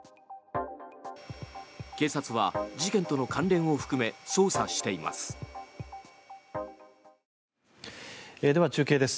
警察は事件との関連を含め捜査しています。